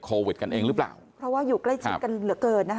โควิดกันเองหรือเปล่าเพราะว่าอยู่ใกล้ชิดกันเหลือเกินนะคะ